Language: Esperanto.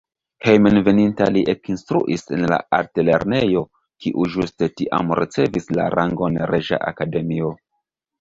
Hejmenveninta li ekinstruis en la altlernejo, kiu ĝuste tiam ricevis la rangon reĝa akademio.